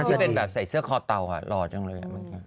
นั้นที่เป็นแบบใส่เสื้อคอเต่าอ่ะหล่อจังเลยอ่ะ